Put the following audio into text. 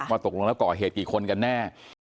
ตกลงแล้วก่อเหตุกี่คนกันแน่